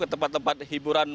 ke tempat tempat hiburan